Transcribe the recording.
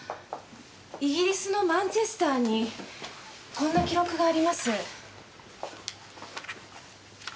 イギリスのマンチェスターにこんな記録があります。